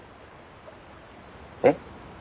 えっ？